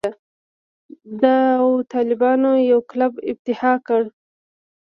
داوطلبانو یو کلب افتتاح کړ.